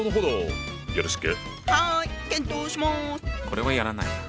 これはやらないな。